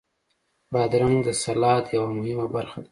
بادرنګ د سلاد یوه مهمه برخه ده.